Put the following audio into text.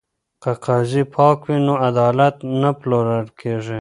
که قاضي پاک وي نو عدالت نه پلورل کیږي.